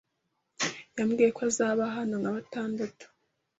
Yambwiye ko azaba hano nka batandatu.